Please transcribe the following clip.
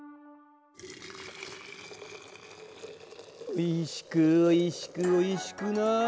おいしくおいしくおいしくなれ。